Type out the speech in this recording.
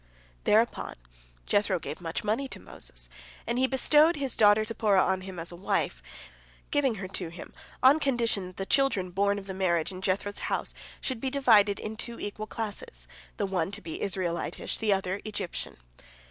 " Thereupon Jethro gave much money to Moses, and he bestowed his daughter Zipporah upon him as wife, giving her to him under the condition that the children born of the marriage in Jethro's house should be divided into two equal classes, the one to be Israelitish, the other Egyptian.